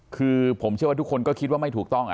คือผมเชื่อว่าทุกคนก็คิดว่าไม่ถูกต้อง